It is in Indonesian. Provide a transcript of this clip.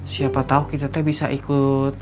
siapa tahu kita teh bisa ikut